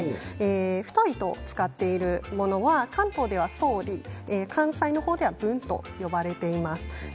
太い糸を使っているものは関東では総理関西では文と呼ばれています。